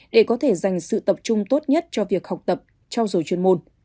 để có thể dành sự tập trung tốt nhất cho việc học tập trao dồi chuyên môn